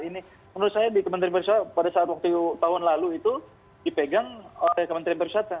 ini menurut saya di kementerian pariwisata pada saat waktu tahun lalu itu dipegang oleh kementerian pariwisata